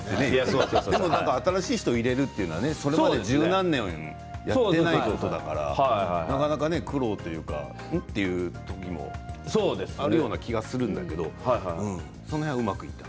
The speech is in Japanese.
新しい人を入れるというのはそれまで十何年やっていないことだからなかなか苦労というかあるような気がするんだけどその辺はうまくいってる？